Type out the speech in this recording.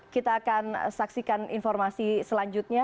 kita akan saksikan informasi selanjutnya